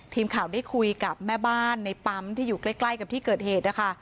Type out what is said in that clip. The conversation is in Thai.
ทีมข่าวได้คุยกับแม่บ้านในปั๊มที่อยู่ใกล้กับที่เกิดเหตุนะคะ